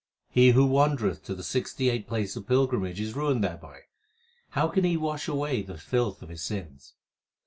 He who wandereth to the sixty eight places of pilgrimage is ruined thereby ; how can he wash away the filth of his sins